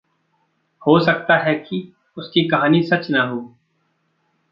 हो सकता है कि उसकी कहानी सच न हो।